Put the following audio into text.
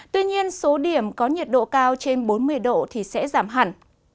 tuy nhiên số điểm có nhiệt độ cao trên bốn mươi độ thì sẽ giảm hẳn